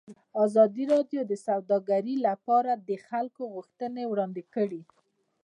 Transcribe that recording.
ازادي راډیو د سوداګري لپاره د خلکو غوښتنې وړاندې کړي.